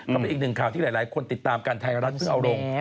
ก็เป็นอีกหนึ่งข่าวที่หลายคนติดตามกันไทยรัฐเพื่อเอาลง